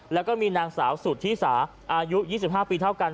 แล้วก็มีนางสาวสุธิสาอายุ๒๕ปีเท่ากัน